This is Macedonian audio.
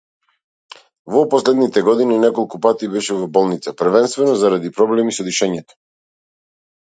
Во последните години неколку пати беше во болница, првенствено заради проблеми со дишењето.